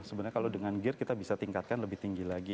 sebenarnya kalau dengan gear kita bisa tingkatkan lebih tinggi lagi